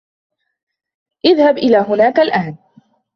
إذهب إلى هناك الآن.